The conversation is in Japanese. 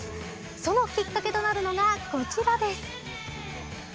そのきっかけとなるのがこちらです。